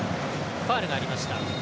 ファウルがありました。